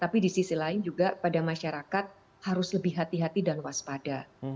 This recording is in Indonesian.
tapi di sisi lain juga pada masyarakat harus lebih hati hati dan waspada